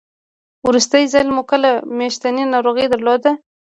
وروستی ځل مو کله میاشتنۍ ناروغي درلوده؟